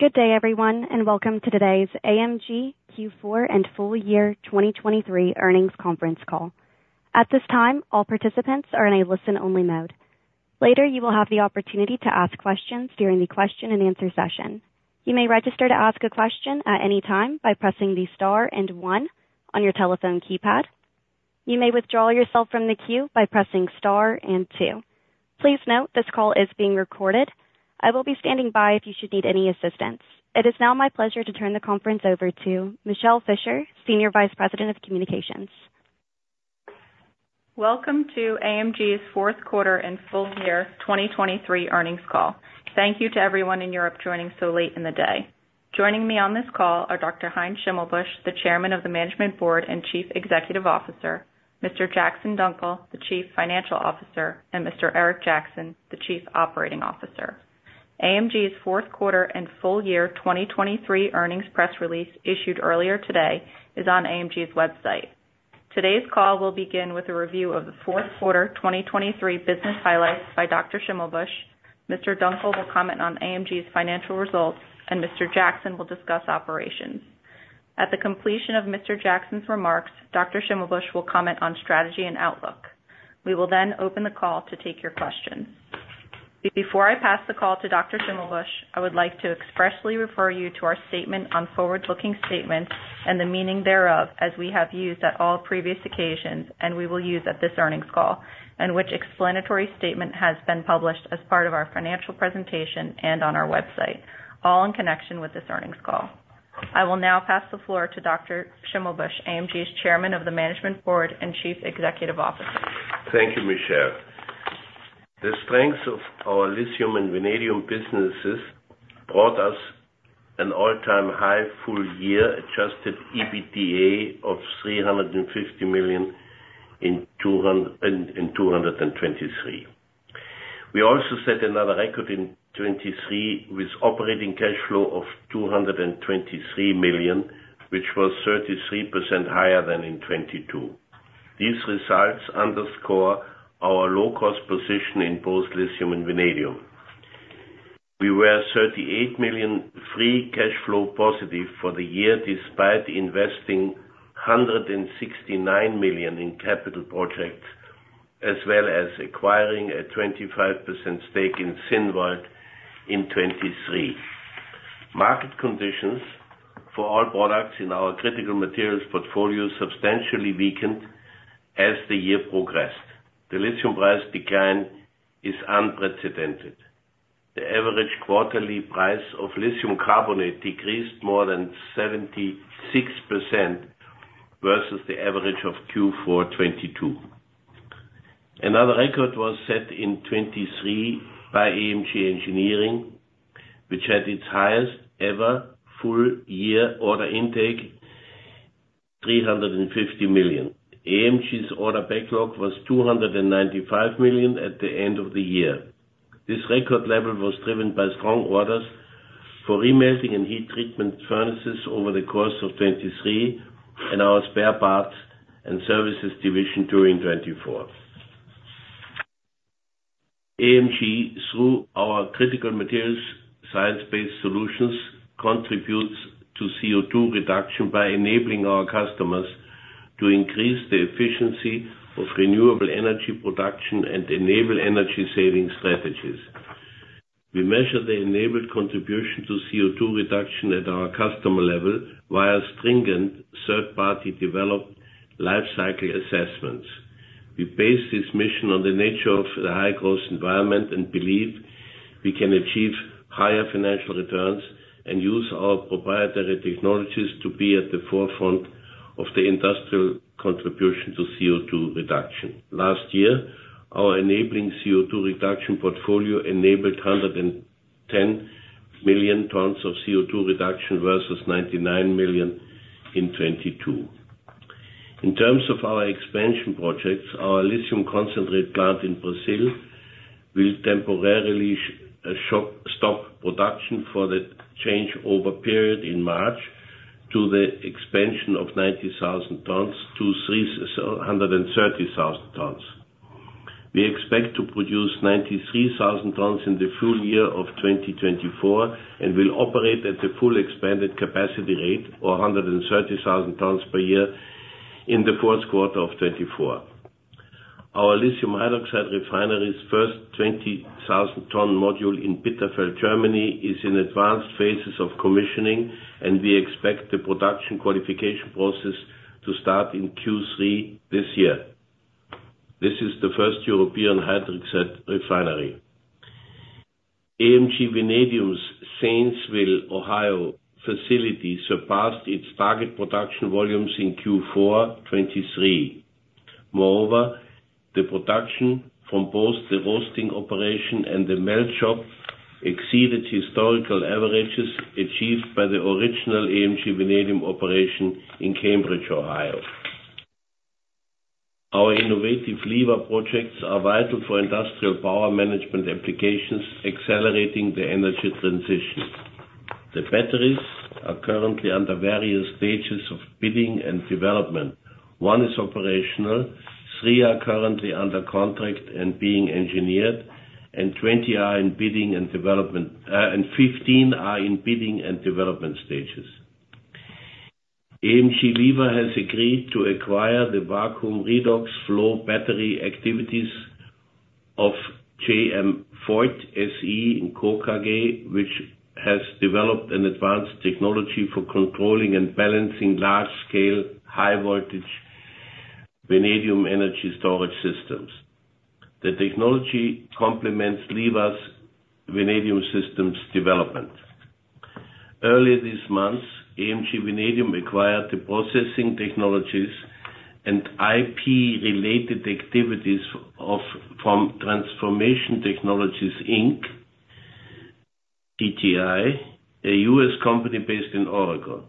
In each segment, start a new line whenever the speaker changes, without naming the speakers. Good day, everyone, and welcome to today's AMG Q4 and full year 2023 earnings conference call. At this time, all participants are in a listen-only mode. Later, you will have the opportunity to ask questions during the question-and-answer session. You may register to ask a question at any time by pressing the star and one on your telephone keypad. You may withdraw yourself from the queue by pressing star and two. Please note, this call is being recorded. I will be standing by if you should need any assistance. It is now my pleasure to turn the conference over to Michele Fischer, Senior Vice President of Communications.
Welcome to AMG's fourth quarter and full year 2023 earnings call. Thank you to everyone in Europe joining so late in the day. Joining me on this call are Dr. Heinz Schimmelbusch, the Chairman of the Management Board and Chief Executive Officer, Mr. Jackson Dunckel, the Chief Financial Officer, and Mr. Eric Jackson, the Chief Operating Officer. AMG's fourth quarter and full year 2023 earnings press release issued earlier today is on AMG's website. Today's call will begin with a review of the fourth quarter 2023 business highlights by Dr. Schimmelbusch. Mr. Dunckel will comment on AMG's financial results, and Mr. Jackson will discuss operations. At the completion of Mr. Jackson's remarks, Dr. Schimmelbusch will comment on strategy and outlook. We will then open the call to take your questions. Before I pass the call to Dr. Schimmelbusch, I would like to expressly refer you to our statement on forward-looking statements and the meaning thereof, as we have used at all previous occasions and we will use at this earnings call, and which explanatory statement has been published as part of our financial presentation and on our website, all in connection with this earnings call. I will now pass the floor to Dr. Schimmelbusch, AMG's Chairman of the Management Board and Chief Executive Officer.
Thank you, Michele. The strengths of our lithium and vanadium businesses brought us an all-time high full year Adjusted EBITDA of 350 million in 2023. We also set another record in 2023 with operating cash flow of 223 million, which was 33% higher than in 2022. These results underscore our low-cost position in both lithium and vanadium. We were 38 million free cash flow positive for the year despite investing 169 million in capital projects as well as acquiring a 25% stake in Zinnwald in 2023. Market conditions for all products in our critical materials portfolio substantially weakened as the year progressed. The lithium price decline is unprecedented. The average quarterly price of lithium carbonate decreased more than 76% versus the average of Q4 2022. Another record was set in 2023 by AMG Engineering, which had its highest-ever full year order intake, 350 million. AMG's order backlog was 295 million at the end of the year. This record level was driven by strong orders for remelting and heat treatment furnaces over the course of 2023 and our spare parts and services division during 2024. AMG, through our critical materials science-based solutions, contributes to CO2 reduction by enabling our customers to increase the efficiency of renewable energy production and enable energy saving strategies. We measure the enabled contribution to CO2 reduction at our customer level via stringent third-party developed lifecycle assessments. We base this mission on the nature of the high-cost environment and believe we can achieve higher financial returns and use our proprietary technologies to be at the forefront of the industrial contribution to CO2 reduction. Last year, our enabling CO2 reduction portfolio enabled 110 million tons of CO2 reduction versus 99 million in 2022. In terms of our expansion projects, our lithium concentrate plant in Brazil will temporarily stop production for the changeover period in March to the expansion of 90,000 tons-130,000 tons. We expect to produce 93,000 tons in the full year of 2024 and will operate at the full expanded capacity rate, or 130,000 tons per year, in the fourth quarter of 2024. Our lithium hydroxide refinery's first 20,000-ton module in Bitterfeld, Germany, is in advanced phases of commissioning, and we expect the production qualification process to start in Q3 this year. This is the first European hydroxide refinery. AMG Vanadium's Zanesville, Ohio facility surpassed its target production volumes in Q4 2023. Moreover, the production from both the roasting operation and the melt shop exceeded historical averages achieved by the original AMG Vanadium operation in Cambridge, Ohio. Our innovative LIVA projects are vital for industrial power management applications, accelerating the energy transition. The batteries are currently under various stages of bidding and development. One is operational, three are currently under contract and being engineered, and 15 are in bidding and development stages. AMG LIVA has agreed to acquire the Vanadium Redox Flow Battery activities of J.M. Voith SE in Kochel, which has developed an advanced technology for controlling and balancing large-scale, high-voltage vanadium energy storage systems. The technology complements LIVA's vanadium systems development. Earlier this month, AMG Vanadium acquired the processing technologies and IP-related activities from Transformation Technologies, Inc. (TTI), a U.S. company based in Oregon.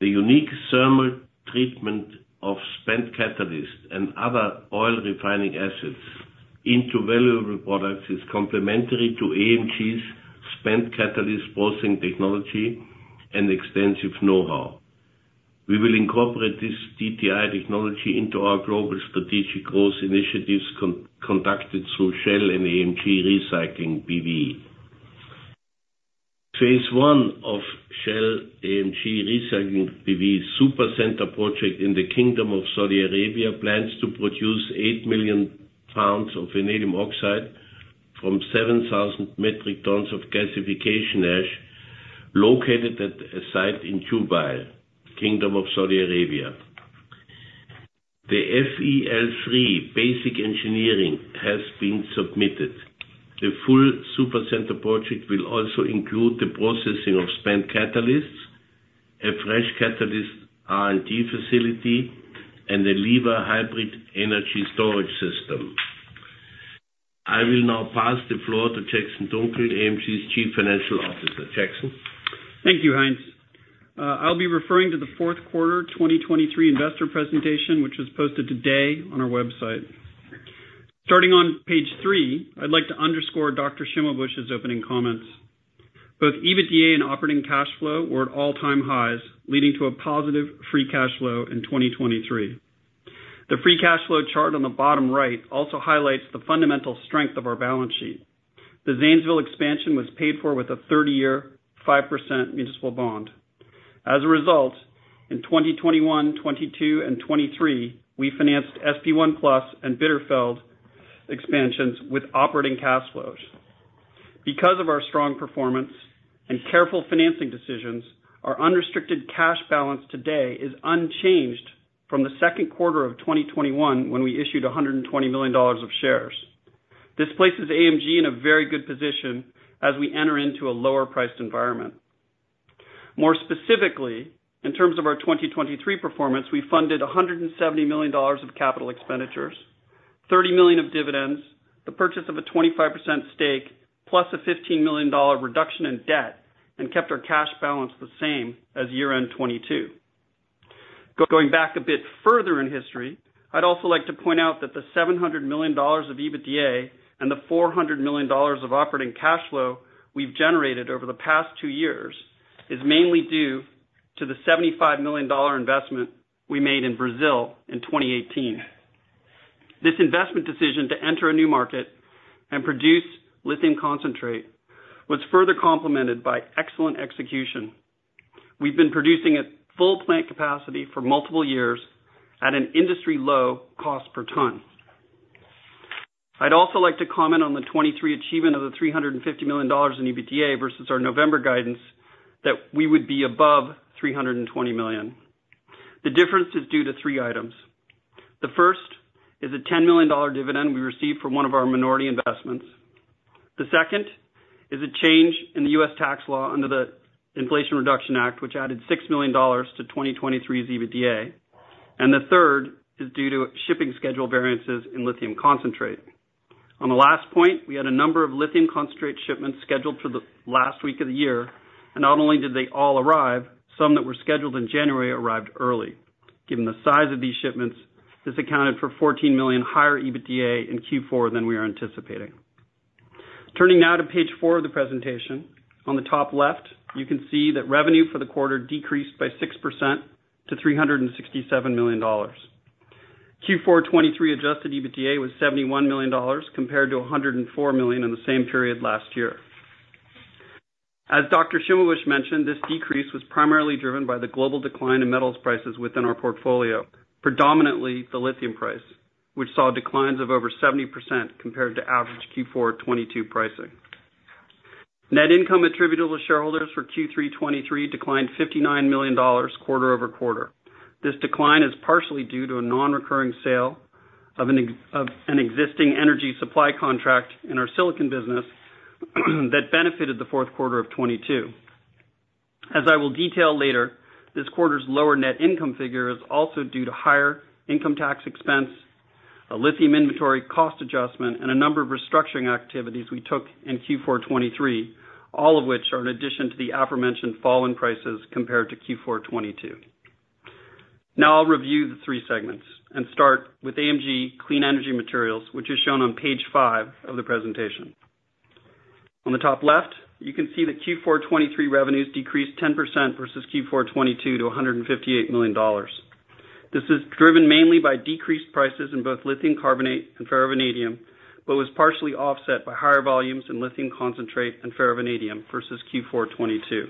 The unique thermal treatment of spent catalyst and other oil refining assets into valuable products is complementary to AMG's spent catalyst processing technology and extensive know-how. We will incorporate this TTI technology into our global strategic growth initiatives conducted through Shell & AMG Recycling B.V. Phase I of Shell & AMG Recycling B.V.'s supercenter project in the Kingdom of Saudi Arabia plans to produce 8 million pounds of vanadium oxide from 7,000 metric tons of gasification ash located at a site in Jubail, Kingdom of Saudi Arabia. The FEL3 basic engineering has been submitted. The full supercenter project will also include the processing of spent catalysts, a fresh catalyst R&D facility, and a LIVA hybrid energy storage system. I will now pass the floor to Jackson Dunckel, AMG's Chief Financial Officer. Jackson.
Thank you, Heinz. I'll be referring to the fourth quarter 2023 investor presentation, which was posted today on our website. Starting on page three, I'd like to underscore Dr. Schimmelbusch's opening comments. Both EBITDA and operating cash flow were at all-time highs, leading to a positive free cash flow in 2023. The free cash flow chart on the bottom right also highlights the fundamental strength of our balance sheet. The Zanesville expansion was paid for with a 30-year, 5% municipal bond. As a result, in 2021, 2022, and 2023, we financed SP1 Plus and Bitterfeld expansions with operating cash flows. Because of our strong performance and careful financing decisions, our unrestricted cash balance today is unchanged from the second quarter of 2021 when we issued $120 million of shares. This places AMG in a very good position as we enter into a lower-priced environment. More specifically, in terms of our 2023 performance, we funded $170 million of capital expenditures, $30 million of dividends, the purchase of a 25% stake, +$15 million reduction in debt, and kept our cash balance the same as year-end 2022. Going back a bit further in history, I'd also like to point out that the $700 million of EBITDA and the $400 million of operating cash flow we've generated over the past two years is mainly due to the $75 million investment we made in Brazil in 2018. This investment decision to enter a new market and produce lithium concentrate was further complemented by excellent execution. We've been producing at full plant capacity for multiple years at an industry-low cost per ton. I'd also like to comment on the 2023 achievement of the $350 million in EBITDA versus our November guidance that we would be above $320 million. The difference is due to three items. The first is a $10 million dividend we received from one of our minority investments. The second is a change in the U.S. tax law under the Inflation Reduction Act, which added $6 million to 2023's EBITDA. The third is due to shipping schedule variances in lithium concentrate. On the last point, we had a number of lithium concentrate shipments scheduled for the last week of the year, and not only did they all arrive, some that were scheduled in January arrived early. Given the size of these shipments, this accounted for $14 million higher EBITDA in Q4 than we were anticipating. Turning now to page four of the presentation, on the top left, you can see that revenue for the quarter decreased by 6% to $367 million. Q4 2023 Adjusted EBITDA was $71 million compared to $104 million in the same period last year. As Dr. Schimmelbusch mentioned, this decrease was primarily driven by the global decline in metals prices within our portfolio, predominantly the lithium price, which saw declines of over 70% compared to average Q4 2022 pricing. Net income attributable to shareholders for Q3 2023 declined $59 million quarter over quarter. This decline is partially due to a non-recurring sale of an existing energy supply contract in our silicon business that benefited the fourth quarter of 2022. As I will detail later, this quarter's lower net income figure is also due to higher income tax expense, a lithium inventory cost adjustment, and a number of restructuring activities we took in Q4 2023, all of which are in addition to the aforementioned fall in prices compared to Q4 2022. Now I'll review the three segments and start with AMG Clean Energy Materials, which is shown on page five of the presentation. On the top left, you can see that Q4 2023 revenues decreased 10% versus Q4 2022 to $158 million. This is driven mainly by decreased prices in both lithium carbonate and ferrovanadium but was partially offset by higher volumes in lithium concentrate and ferrovanadium versus Q4 2022.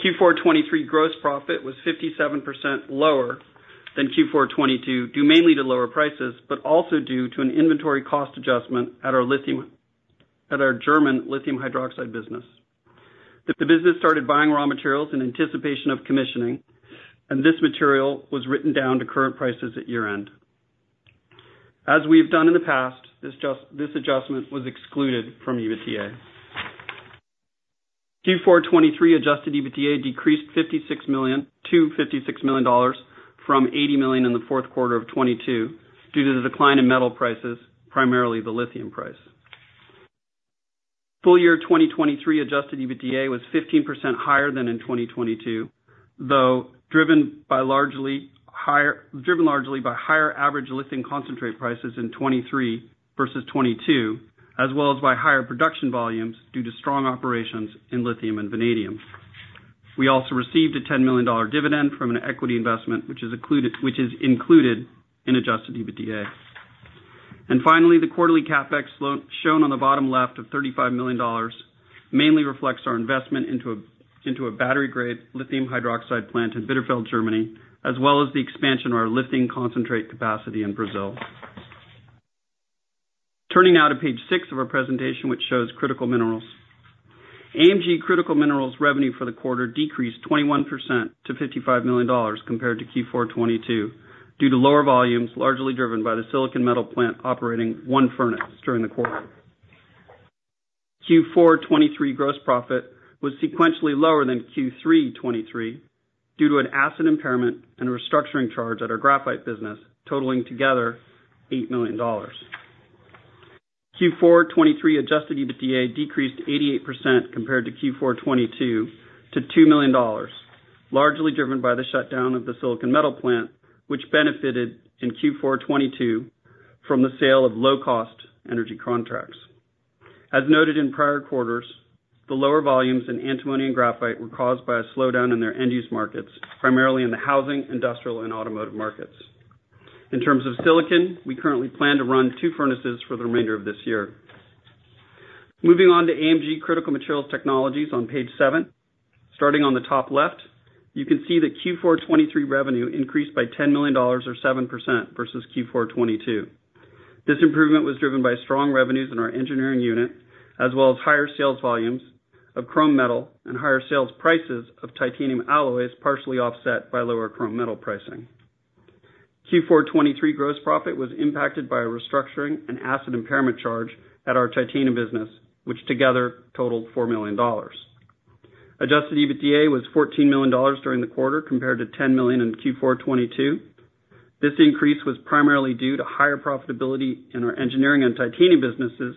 Q4 2023 gross profit was 57% lower than Q4 2022 due mainly to lower prices but also due to an inventory cost adjustment at our German lithium hydroxide business. The business started buying raw materials in anticipation of commissioning, and this material was written down to current prices at year-end. As we have done in the past, this adjustment was excluded from EBITDA. Q4 2023 Adjusted EBITDA decreased $56 million to $56 million from $80 million in the fourth quarter of 2022 due to the decline in metal prices, primarily the lithium price. Full year 2023 adjusted EBITDA was 15% higher than in 2022, though driven largely by higher average lithium concentrate prices in 2023 versus 2022, as well as by higher production volumes due to strong operations in lithium and vanadium. We also received a $10 million dividend from an equity investment, which is included in Adjusted EBITDA. And finally, the quarterly CapEx shown on the bottom left of $35 million mainly reflects our investment into a battery-grade lithium hydroxide plant in Bitterfeld, Germany, as well as the expansion of our lithium concentrate capacity in Brazil. Turning now to page six of our presentation, which shows critical minerals. AMG Critical Minerals revenue for the quarter decreased 21% to $55 million compared to Q4 2022 due to lower volumes largely driven by the silicon metal plant operating one furnace during the quarter. Q4 2023 gross profit was sequentially lower than Q3 2023 due to an asset impairment and a restructuring charge at our graphite business, totaling together $8 million. Q4 2023 Adjusted EBITDA decreased 88% compared to Q4 2022 to $2 million, largely driven by the shutdown of the silicon metal plant, which benefited in Q4 2022 from the sale of low-cost energy contracts. As noted in prior quarters, the lower volumes in antimony and graphite were caused by a slowdown in their end-use markets, primarily in the housing, industrial, and automotive markets. In terms of silicon, we currently plan to run two furnaces for the remainder of this year. Moving on to AMG Critical Materials Technologies on page seven. Starting on the top left, you can see that Q4 2023 revenue increased by $10 million, or 7%, versus Q4 2022. This improvement was driven by strong revenues in our engineering unit, as well as higher sales volumes of chrome metal and higher sales prices of titanium alloys, partially offset by lower chrome metal pricing. Q4 2023 gross profit was impacted by a restructuring and asset impairment charge at our titanium business, which together totaled $4 million. Adjusted EBITDA was $14 million during the quarter compared to $10 million in Q4 2022. This increase was primarily due to higher profitability in our engineering and titanium businesses,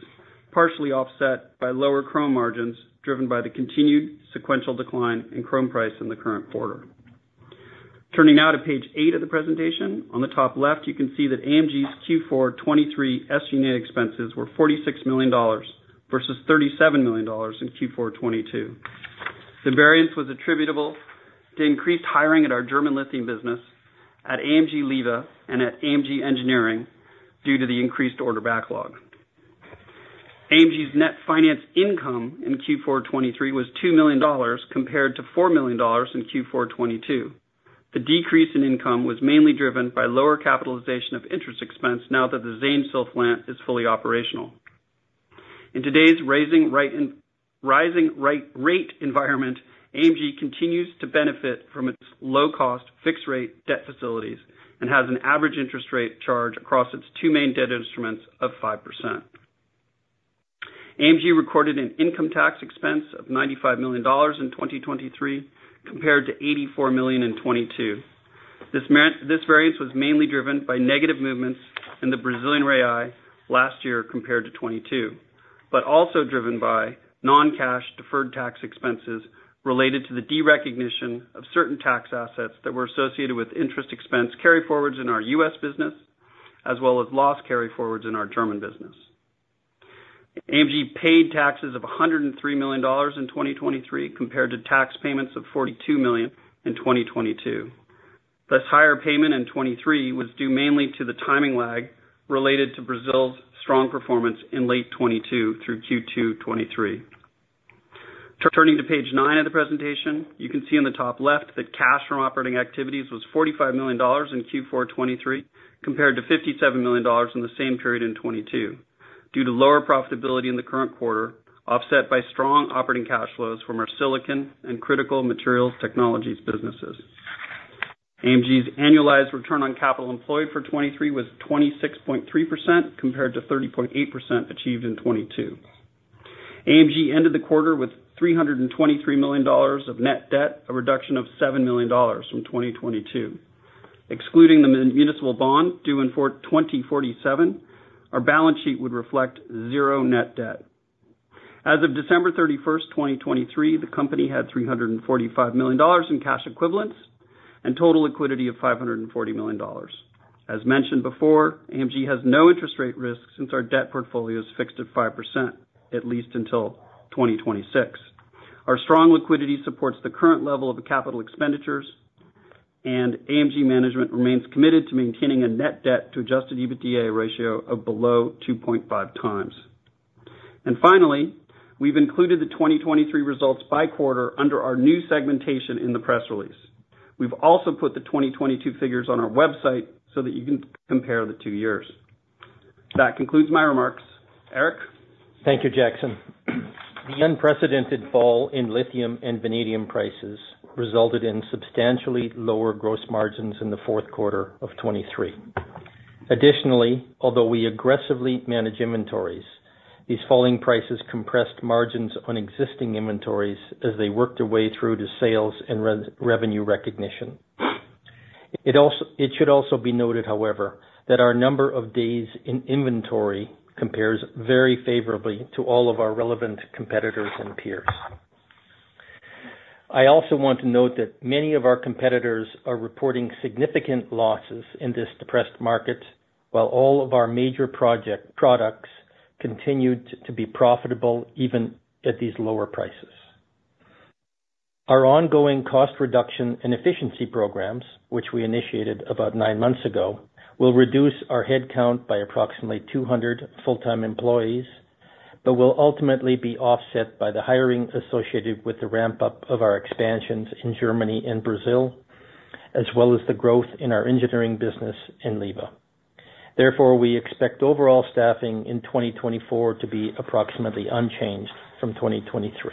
partially offset by lower chrome margins driven by the continued sequential decline in chrome price in the current quarter. Turning now to page eight of the presentation, on the top left, you can see that AMG's Q4 2023 SG&A expenses were $46 million versus $37 million in Q4 2022. The variance was attributable to increased hiring at our German lithium business, at AMG LIVA, and at AMG Engineering due to the increased order backlog. AMG's net finance income in Q4 2023 was $2 million compared to $4 million in Q4 2022. The decrease in income was mainly driven by lower capitalization of interest expense now that the Zanesville plant is fully operational. In today's rising rate environment, AMG continues to benefit from its low-cost fixed-rate debt facilities and has an average interest rate charge across its two main debt instruments of 5%. AMG recorded an income tax expense of $95 million in 2023 compared to $84 million in 2022. This variance was mainly driven by negative movements in the Brazilian Real last year compared to 2022, but also driven by non-cash deferred tax expenses related to the derecognition of certain tax assets that were associated with interest expense carry-forwards in our U.S. business, as well as loss carry-forwards in our German business. AMG paid taxes of $103 million in 2023 compared to tax payments of $42 million in 2022. This higher payment in 2023 was due mainly to the timing lag related to Brazil's strong performance in late 2022 through Q2 2023. Turning to page nine of the presentation, you can see on the top left that cash from operating activities was $45 million in Q4 2023 compared to $57 million in the same period in 2022 due to lower profitability in the current quarter, offset by strong operating cash flows from our silicon and critical materials technologies businesses. AMG's annualized return on capital employed for 2023 was 26.3% compared to 30.8% achieved in 2022. AMG ended the quarter with $323 million of net debt, a reduction of $7 million from 2022. Excluding the municipal bond due in 2047, our balance sheet would reflect zero net debt. As of December 31st, 2023, the company had $345 million in cash equivalents and total liquidity of $540 million. As mentioned before, AMG has no interest rate risk since our debt portfolio is fixed at 5%, at least until 2026. Our strong liquidity supports the current level of capital expenditures, and AMG management remains committed to maintaining a net debt to Adjusted EBITDA ratio of below 2.5x. Finally, we've included the 2023 results by quarter under our new segmentation in the press release. We've also put the 2022 figures on our website so that you can compare the two years. That concludes my remarks. Eric?
Thank you, Jackson. The unprecedented fall in lithium and vanadium prices resulted in substantially lower gross margins in the fourth quarter of 2023. Additionally, although we aggressively manage inventories, these falling prices compressed margins on existing inventories as they worked their way through to sales and revenue recognition. It should also be noted, however, that our number of days in inventory compares very favorably to all of our relevant competitors and peers. I also want to note that many of our competitors are reporting significant losses in this depressed market while all of our major products continue to be profitable even at these lower prices. Our ongoing cost reduction and efficiency programs, which we initiated about nine months ago, will reduce our headcount by approximately 200 full-time employees but will ultimately be offset by the hiring associated with the ramp-up of our expansions in Germany and Brazil, as well as the growth in our engineering business in LIVA. Therefore, we expect overall staffing in 2024 to be approximately unchanged from 2023.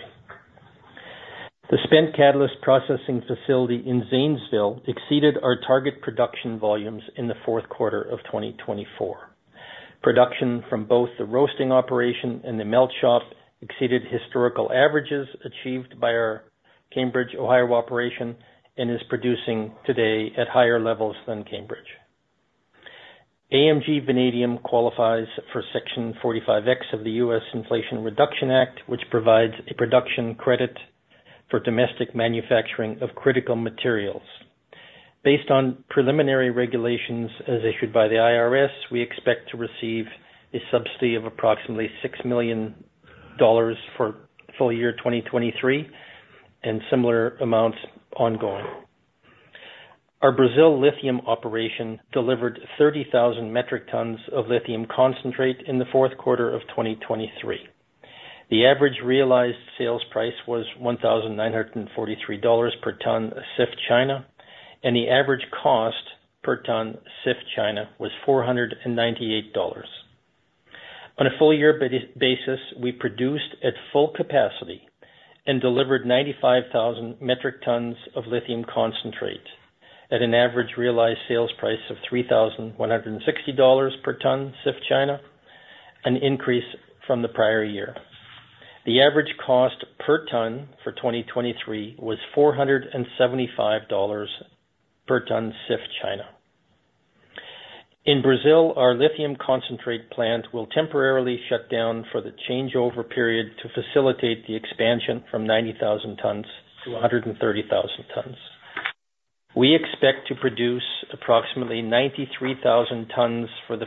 The spent catalyst processing facility in Zanesville exceeded our target production volumes in the fourth quarter of 2024. Production from both the roasting operation and the melt shop exceeded historical averages achieved by our Cambridge, Ohio operation and is producing today at higher levels than Cambridge. AMG Vanadium qualifies for Section 45X of the U.S. Inflation Reduction Act, which provides a production credit for domestic manufacturing of critical materials. Based on preliminary regulations as issued by the IRS, we expect to receive a subsidy of approximately $6 million for full year 2023 and similar amounts ongoing. Our Brazil lithium operation delivered 30,000 metric tons of lithium concentrate in the fourth quarter of 2023. The average realized sales price was $1,943 per ton CIF China, and the average cost per ton CIF China was $498. On a full-year basis, we produced at full capacity and delivered 95,000 metric tons of lithium concentrate at an average realized sales price of $3,160 per ton CIF China, an increase from the prior year. The average cost per ton for 2023 was $475 per ton CIF China. In Brazil, our lithium concentrate plant will temporarily shut down for the changeover period to facilitate the expansion from 90,000 tons-130,000 tons. We expect to produce approximately 93,000 tons for the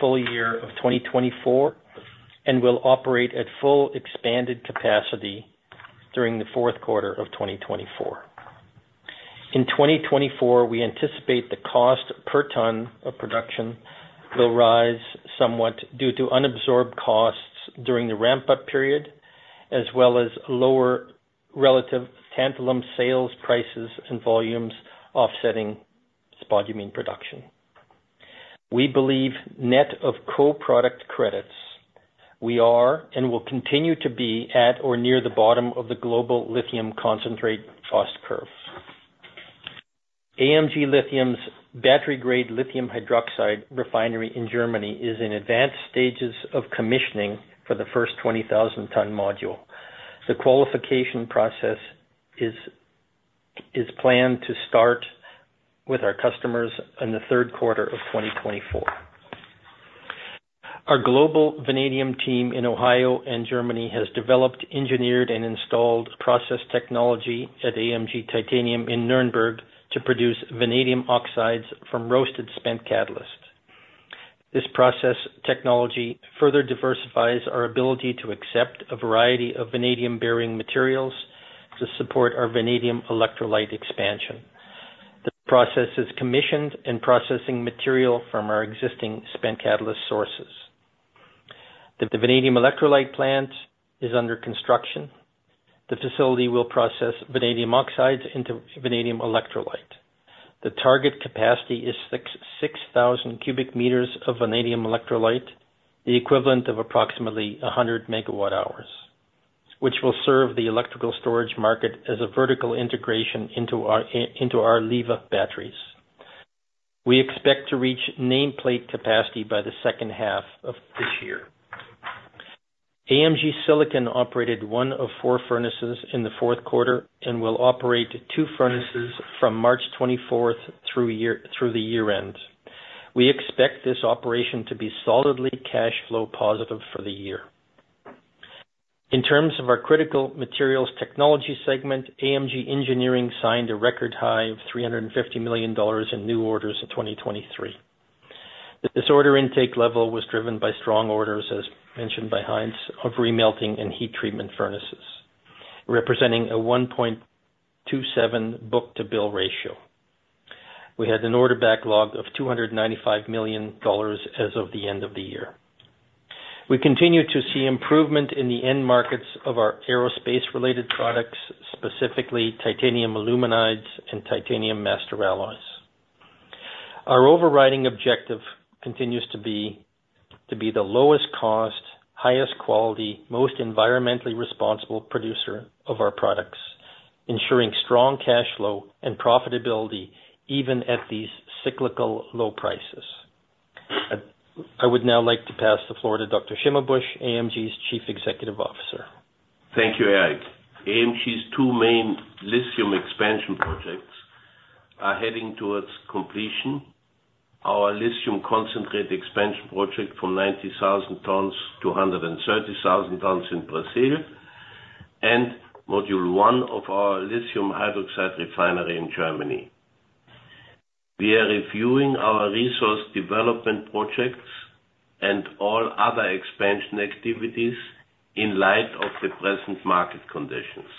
full year of 2024 and will operate at full expanded capacity during the fourth quarter of 2024. In 2024, we anticipate the cost per ton of production will rise somewhat due to unabsorbed costs during the ramp-up period, as well as lower relative tantalum sales prices and volumes offsetting spodumene production. We believe net of co-product credits, we are and will continue to be at or near the bottom of the global lithium concentrate cost curve. AMG Lithium's battery-grade lithium hydroxide refinery in Germany is in advanced stages of commissioning for the first 20,000-ton module. The qualification process is planned to start with our customers in the third quarter of 2024. Our global vanadium team in Ohio and Germany has developed, engineered, and installed process technology at AMG Titanium in Nuremberg to produce vanadium oxides from roasted spent catalysts. This process technology further diversifies our ability to accept a variety of vanadium-bearing materials to support our vanadium electrolyte expansion. The process is commissioned and processing material from our existing spent catalyst sources. The vanadium electrolyte plant is under construction. The facility will process vanadium oxides into vanadium electrolyte. The target capacity is 6,000 m³ of vanadium electrolyte, the equivalent of approximately 100 MWh, which will serve the electrical storage market as a vertical integration into our LIVA batteries. We expect to reach nameplate capacity by the second half of this year. AMG Silicon operated one of four furnaces in the fourth quarter and will operate two furnaces from March 24th through the year-end. We expect this operation to be solidly cash flow positive for the year. In terms of our critical materials technology segment, AMG Engineering signed a record high of $350 million in new orders in 2023. This order intake level was driven by strong orders, as mentioned by Heinz, of remelting and heat treatment furnaces, representing a 1.27 book-to-bill ratio. We had an order backlog of $295 million as of the end of the year. We continue to see improvement in the end markets of our aerospace-related products, specifically titanium aluminides and titanium master alloys. Our overriding objective continues to be to be the lowest cost, highest quality, most environmentally responsible producer of our products, ensuring strong cash flow and profitability even at these cyclical low prices. I would now like to pass the floor to Dr. Schimmelbusch, AMG's Chief Executive Officer.
Thank you, Eric. AMG's two main lithium expansion projects are heading towards completion: our lithium concentrate expansion project from 90,000 tons-130,000 tons in Brazil and module one of our lithium hydroxide refinery in Germany. We are reviewing our resource development projects and all other expansion activities in light of the present market conditions.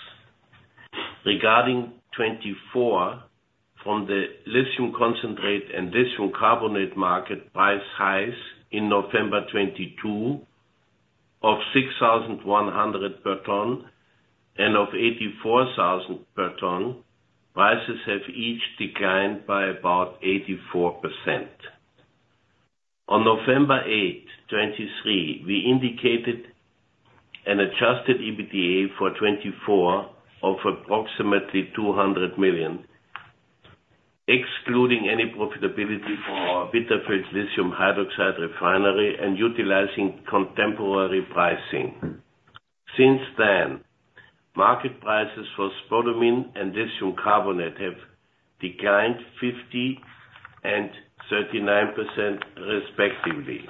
Regarding 2024, from the lithium concentrate and lithium carbonate market price highs in November 2022 of $6,100 per ton and of $84,000 per ton, prices have each declined by about 84%. On November 8, 2023, we indicated an Adjusted EBITDA for 2024 of approximately $200 million, excluding any profitability from our Bitterfeld lithium hydroxide refinery and utilizing contemporary pricing. Since then, market prices for spodumene and lithium carbonate have declined 50% and 39% respectively.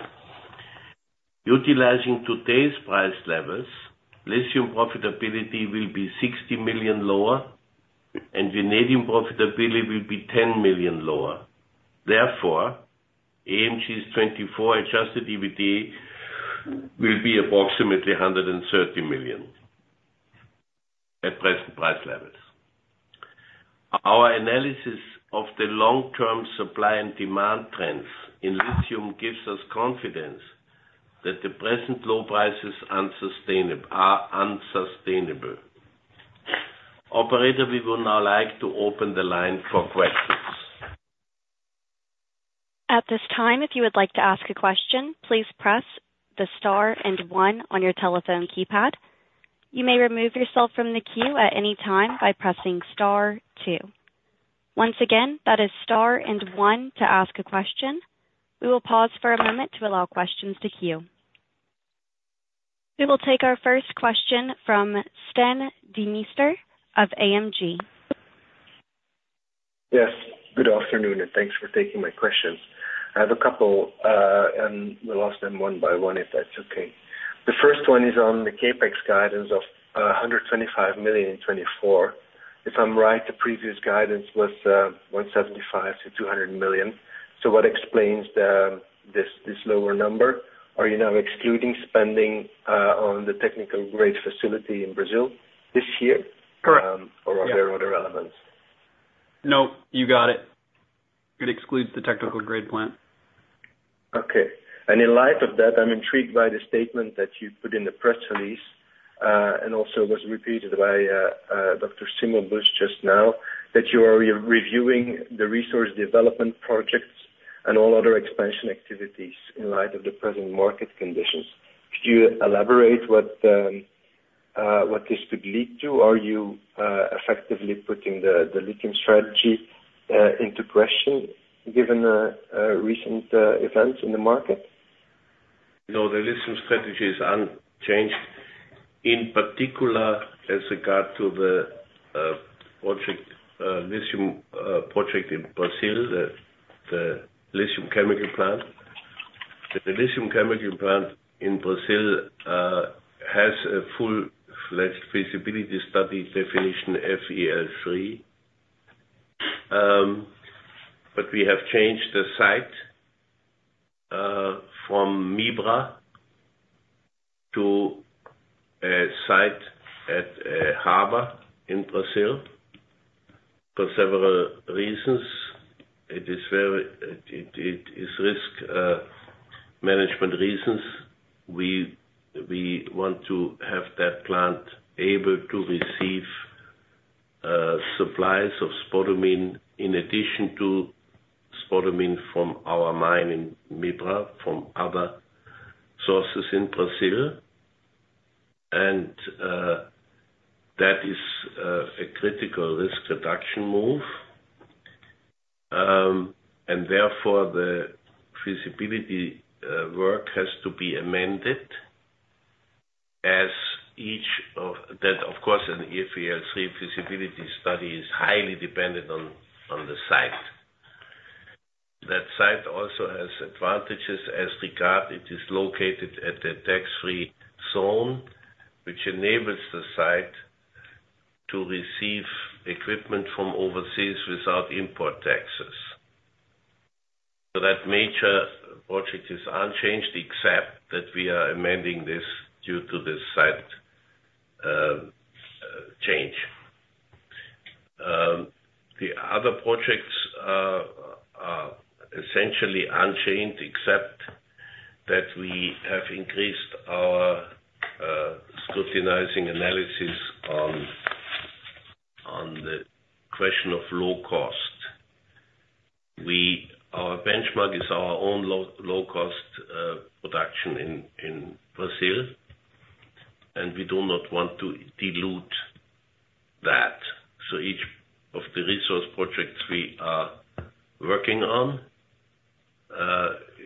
Utilizing today's price levels, lithium profitability will be $60 million lower and vanadium profitability will be $10 million lower. Therefore, AMG's 2024 Adjusted EBITDA will be approximately $130 million at present price levels. Our analysis of the long-term supply and demand trends in lithium gives us confidence that the present low prices are unsustainable. Operator, we would now like to open the line for questions.
At this time, if you would like to ask a question, please press the star and one on your telephone keypad. You may remove yourself from the queue at any time by pressing star two. Once again, that is star and one to ask a question. We will pause for a moment to allow questions to queue. We will take our first question from Stijn Demeester of ING.
Yes. Good afternoon and thanks for taking my questions. I have a couple, and we'll ask them one by one if that's okay. The first one is on the CapEx guidance of 125 million in 2024. If I'm right, the previous guidance was 175 million-200 million. So what explains this lower number? Are you now excluding spending on the technical-grade facility in Brazil this year or are there other elements?
No, you got it. It excludes the technical-grade plant.
Okay. And in light of that, I'm intrigued by the statement that you put in the press release and also was repeated by Dr. Schimmelbusch just now, that you are reviewing the resource development projects and all other expansion activities in light of the present market conditions. Could you elaborate what this could lead to? Are you effectively putting the lithium strategy into question given recent events in the market?
No, the lithium strategy is unchanged. In particular, as regard to the lithium project in Brazil, the lithium chemical plant, the lithium chemical plant in Brazil has a full-fledged feasibility study definition, FEL3. But we have changed the site from MIBRA to a site at a harbor in Brazil for several reasons. It is risk management reasons. We want to have that plant able to receive supplies of spodumene in addition to spodumene from our mine in MIBRA, from other sources in Brazil. And that is a critical risk reduction move. And therefore, the feasibility work has to be amended as each of that, of course, an FEL3 feasibility study is highly dependent on the site. That site also has advantages as regard it is located at a tax-free zone, which enables the site to receive equipment from overseas without import taxes. So that major project is unchanged except that we are amending this due to this site change. The other projects are essentially unchanged except that we have increased our scrutinizing analysis on the question of low cost. Our benchmark is our own low-cost production in Brazil, and we do not want to dilute that. So each of the resource projects we are working on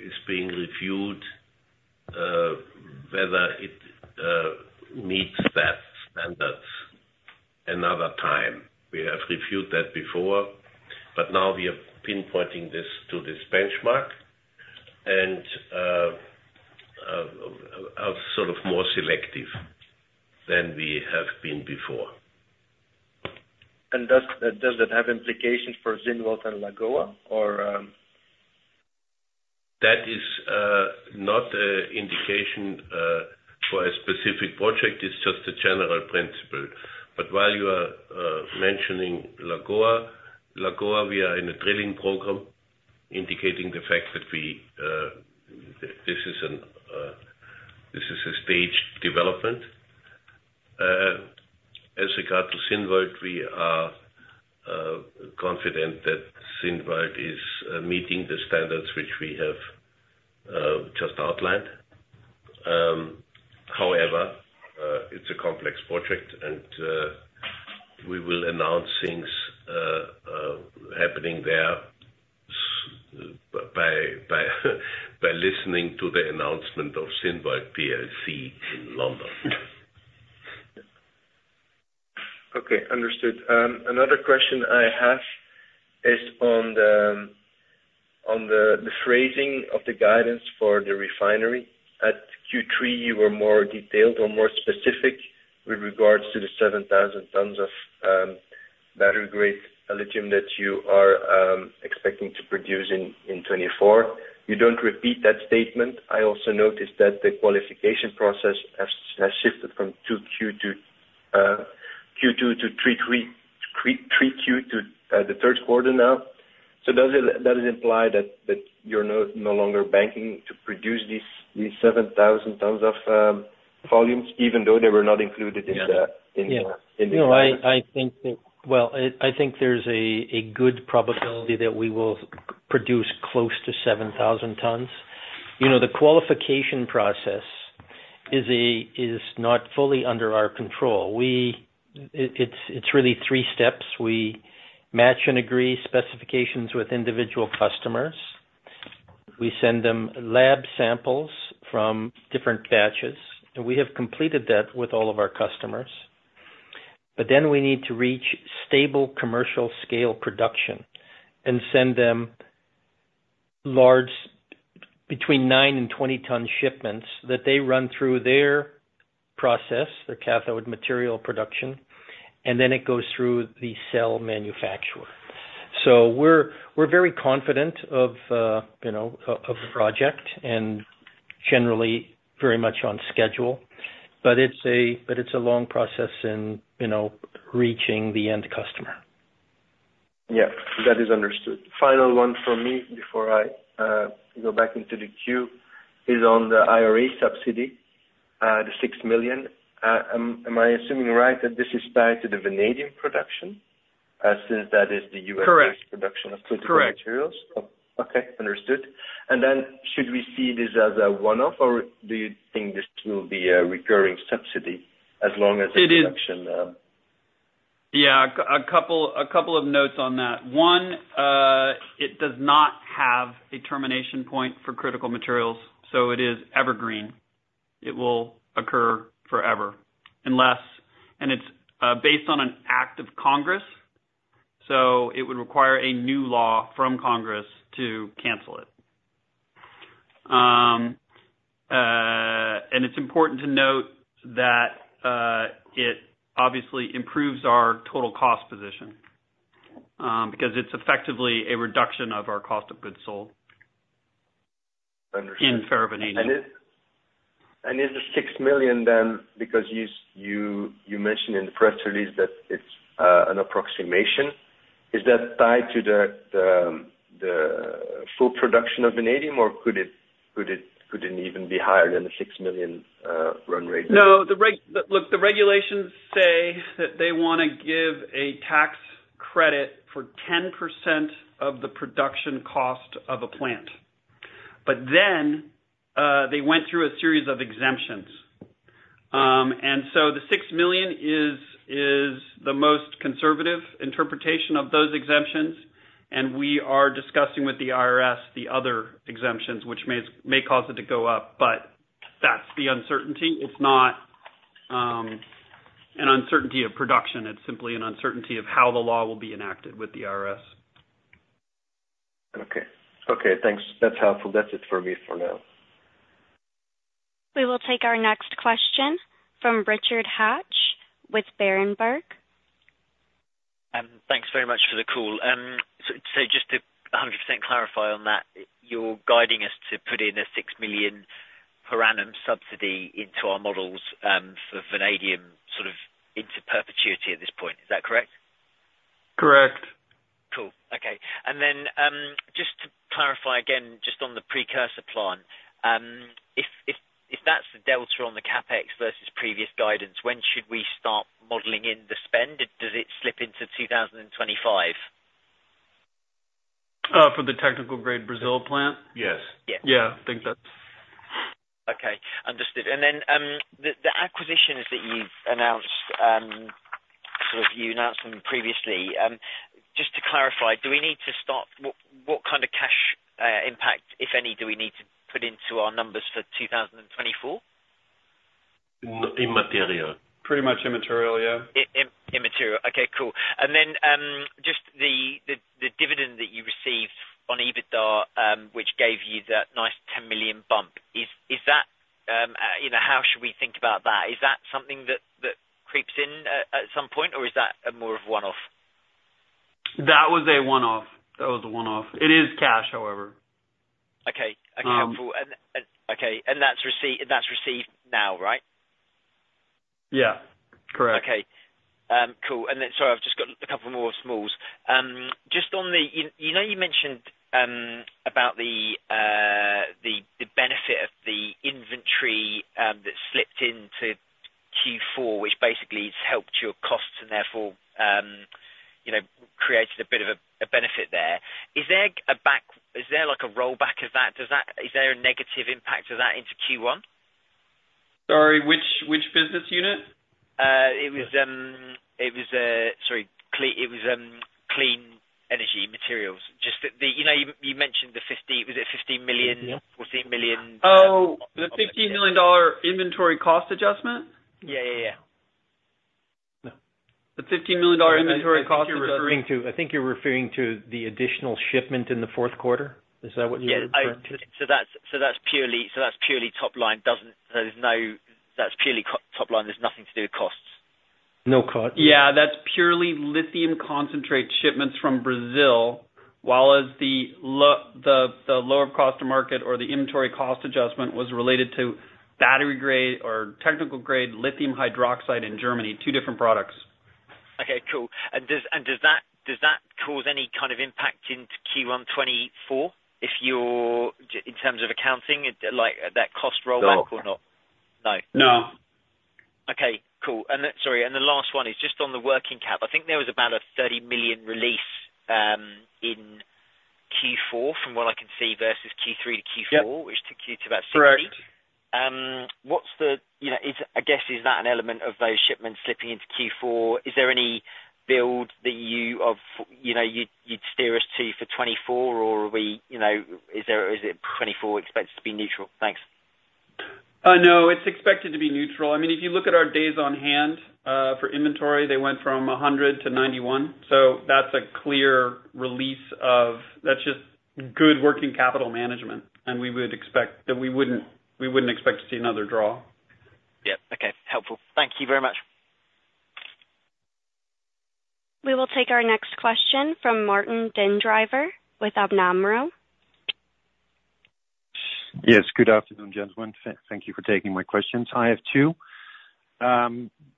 is being reviewed whether it meets that standards another time. We have reviewed that before, but now we are pinpointing this to this benchmark and are sort of more selective than we have been before.
Does that have implications for Zinnwald and Lagoa, or?
That is not an indication for a specific project. It's just a general principle. But while you are mentioning Lagoa, we are in a drilling program indicating the fact that this is a staged development. As regards to Zinnwald, we are confident that Zinnwald is meeting the standards which we have just outlined. However, it's a complex project, and we will announce things happening there by listening to the announcement of Zinnwald plc in London.
Okay. Understood. Another question I have is on the phrasing of the guidance for the refinery. At Q3, you were more detailed or more specific with regards to the 7,000 tons of battery-grade lithium that you are expecting to produce in 2024. You don't repeat that statement. I also noticed that the qualification process has shifted from Q2 to Q3 to the third quarter now. So does it imply that you're no longer banking to produce these 7,000 tons of volumes even though they were not included in the guidance?
No, I think that well, I think there's a good probability that we will produce close to 7,000 tons. The qualification process is not fully under our control. It's really three steps. We match and agree specifications with individual customers. We send them lab samples from different batches, and we have completed that with all of our customers. But then we need to reach stable commercial-scale production and send them between 9-20-ton shipments that they run through their process, their cathode material production, and then it goes through the cell manufacturer. So we're very confident of the project and generally very much on schedule, but it's a long process in reaching the end customer.
Yep. That is understood. Final one from me before I go back into the queue is on the IRA subsidy, the $6 million. Am I assuming right that this is tied to the vanadium production since that is the U.S.-based production of critical materials?
Correct.
Okay. Understood. And then should we see this as a one-off, or do you think this will be a recurring subsidy as long as the production?
Yeah. A couple of notes on that. One, it does not have a termination point for critical materials, so it is evergreen. It will occur forever unless and it's based on an act of Congress, so it would require a new law from Congress to cancel it. And it's important to note that it obviously improves our total cost position because it's effectively a reduction of our cost of goods sold in ferrovanadium.
Understood. And is the 6 million then because you mentioned in the press release that it's an approximation, is that tied to the full production of vanadium, or could it even be higher than the 6 million run rate?
No. Look, the regulations say that they want to give a tax credit for 10% of the production cost of a plant. But then they went through a series of exemptions. And so the $6 million is the most conservative interpretation of those exemptions. And we are discussing with the IRS the other exemptions, which may cause it to go up, but that's the uncertainty. It's not an uncertainty of production. It's simply an uncertainty of how the law will be enacted with the IRS.
Okay. Okay. Thanks. That's helpful. That's it for me for now.
We will take our next question from Richard Hatch with Berenberg.
Thanks very much for the call. So just to 100% clarify on that, you're guiding us to put in a $6 million per annum subsidy into our models for Vanadium sort of into perpetuity at this point. Is that correct?
Correct.
Cool. Okay. And then just to clarify again, just on the precursor plan, if that's the delta on the CapEx versus previous guidance, when should we start modeling in the spend? Does it slip into 2025?
For the technical-grade Brazil plant?
Yes. Yeah. I think that's. Okay. Understood. And then the acquisitions that you've announced sort of you announced them previously. Just to clarify, do we need to start what kind of cash impact, if any, do we need to put into our numbers for 2024?
Immaterial.
Pretty much immaterial, yeah.
Immaterial. Okay. Cool. And then just the dividend that you received on EBITDA, which gave you that nice 10 million bump, is that how should we think about that? Is that something that creeps in at some point, or is that more of a one-off?
That was a one-off. That was a one-off. It is cash, however.
Okay. Okay. Helpful. Okay. And that's received now, right?
Yeah. Correct.
Okay. Cool. And then, sorry, I've just got a couple more smalls. Just on the you mentioned about the benefit of the inventory that slipped into Q4, which basically has helped your costs and therefore created a bit of a benefit there. Is there a rollback of that? Is there a negative impact of that into Q1?
Sorry. Which business unit?
Sorry. It was Clean Energy Materials. Just that you mentioned, was it 15 million, 14 million?
Oh, the $15 million inventory cost adjustment?
Yeah. Yeah. Yeah.
The $15 million inventory cost adjustment.
I think you're referring to the additional shipment in the fourth quarter. Is that what you're referring to?
Yeah. So that's purely top line. So there's no that's purely top line. There's nothing to do with costs.
No costs?
Yeah. That's purely lithium concentrate shipments from Brazil, while the lower cost to market or the inventory cost adjustment was related to battery-grade or technical-grade lithium hydroxide in Germany, two different products.
Okay. Cool. And does that cause any kind of impact into Q1 2024 in terms of accounting, that cost rollback, or not?
No.
No?
No.
Okay. Cool. Sorry. The last one is just on the working cap. I think there was about a 30 million release in Q4 from what I can see versus Q3 to Q4, which took you to about 60 million.
Correct.
What's the, I guess, is that an element of those shipments slipping into Q4? Is there any build that you'd steer us to for 2024, or is it 2024 expected to be neutral? Thanks.
No. It's expected to be neutral. I mean, if you look at our days on hand for inventory, they went from 100-91. So that's a clear release. That's just good working capital management, and we wouldn't expect to see another draw.
Yep. Okay. Helpful. Thank you very much.
We will take our next question from Martin den Drijver with ABN AMRO.
Yes. Good afternoon, gentlemen. Thank you for taking my questions. I have two.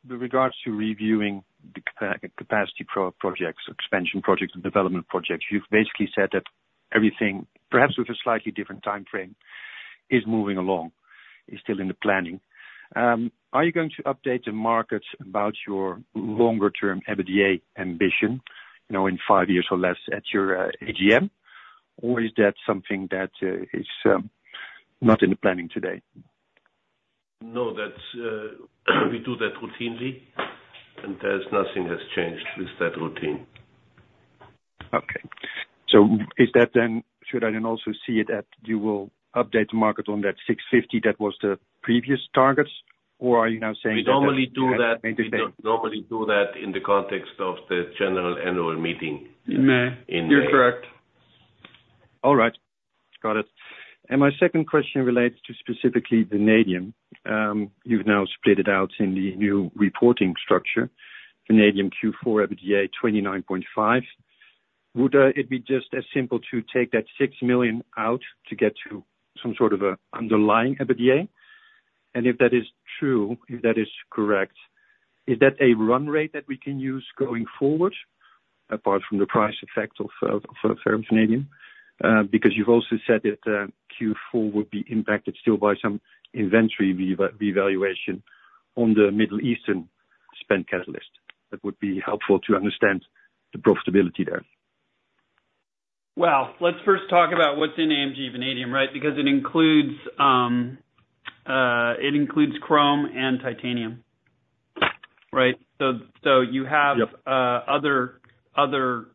With regards to reviewing the capacity projects, expansion projects, and development projects, you've basically said that everything, perhaps with a slightly different timeframe, is moving along, is still in the planning. Are you going to update the market about your longer-term EBITDA ambition in five years or less at your AGM, or is that something that is not in the planning today?
No. We do that routinely, and nothing has changed with that routine.
Okay. So should I then also see it at you will update the market on that 650? That was the previous targets, or are you now saying that that's maintained?
We normally do that. We normally do that in the context of the general annual meeting in.
You're correct. All right. Got it. And my second question relates to specifically Vanadium. You've now split it out in the new reporting structure, Vanadium Q4 EBITDA 29.5 million. Would it be just as simple to take that 6 million out to get to some sort of an underlying EBITDA? And if that is true, if that is correct, is that a run rate that we can use going forward apart from the price effect of Ferrovanadium? Because you've also said that Q4 would be impacted still by some inventory revaluation on the Middle Eastern spent catalyst. That would be helpful to understand the profitability there.
Well, let's first talk about what's in AMG Vanadium, right, because it includes chrome and titanium, right? So you have other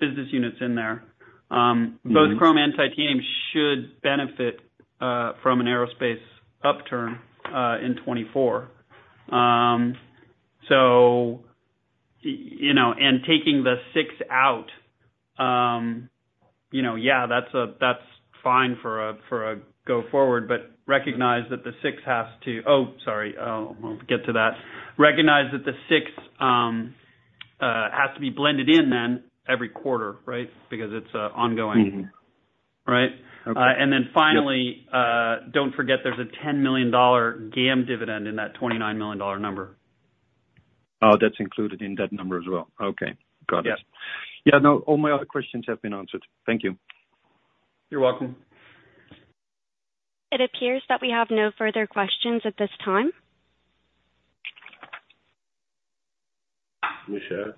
business units in there. Both chrome and titanium should benefit from an aerospace upturn in 2024. And taking the six out, yeah, that's fine for a go forward, but recognize that the six has to oh, sorry. I'll get to that. Recognize that the six has to be blended in then every quarter, right, because it's ongoing, right? And then finally, don't forget there's a $10 million GAM dividend in that $29 million number.
Oh, that's included in that number as well. Okay. Got it. Yeah. No. All my other questions have been answered. Thank you.
You're welcome.
It appears that we have no further questions at this time.
Michelle?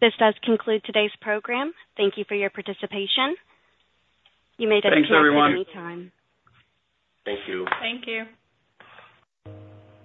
This does conclude today's program. Thank you for your participation. You may take your own time.
Thanks, everyone.
Thank you.
Thank you.